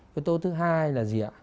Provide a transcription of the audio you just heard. yếu tố thứ hai là gì ạ